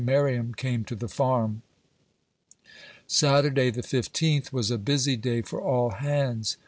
Merriam came to the Farm. Saturday, the 15th, was a busy day for all hands.